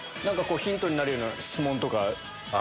ヒントになるような質問とか。